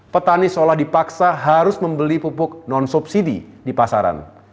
petani seolah dipaksa harus membeli pupuk non subsidi di pasaran